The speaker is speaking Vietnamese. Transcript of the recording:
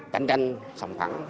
cạnh tranh sòng thẳng